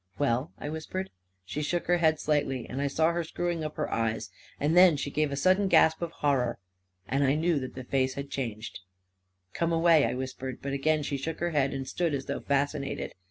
44 Well? "I whispered. 302 A KING IN BABYLON She shook her head slightly, and I saw her screw ing up her eyes ; and then she gave a sudden gasp of horror — and I knew that the face had changed ..." Come away 1 " I whispered ; but again she shook her head, and stood as though fascinated